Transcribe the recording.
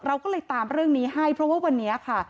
เราก็เลยตามเรื่องนี้ให้เพราะว่าวันนี้ค่ะ